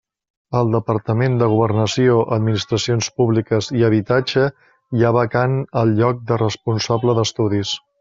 Al Departament de Governació, Administracions Públiques i Habitatge hi ha vacant el lloc de responsable d'estudis.